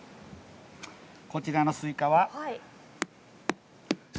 こちらのスイカは。